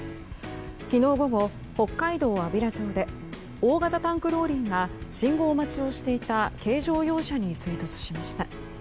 昨日午後、北海道安平町で大型タンクローリーが信号待ちをしていた軽乗用車に追突しました。